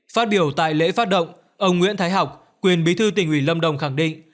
phát biểu tại lễ phát động ông nguyễn thái học quyền bí thư tỉnh ủy lâm đồng khẳng định